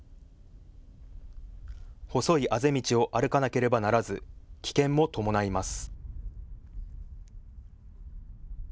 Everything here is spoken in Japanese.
細いあぜ道を歩かなければならず危険も伴います。